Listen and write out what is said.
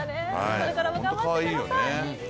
これからも頑張ってください。